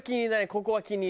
ここは気に入る」